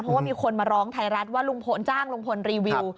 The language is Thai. เพราะว่ามีคนมาร้องไทยรัฐว่าลุงพลจ้างลุงพลรีวิว